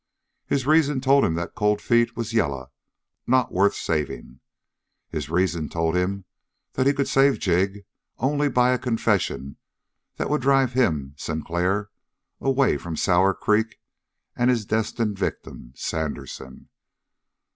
His reason told him that Cold Feet was "yaller," not worth saving. His reason told him that he could save Jig only by a confession that would drive him, Sinclair, away from Sour Creek and his destined victim, Sandersen.